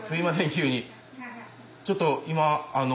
急にちょっと今。